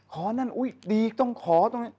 ขอนั่นอุ๊ยดีก็ต้องขอต้อง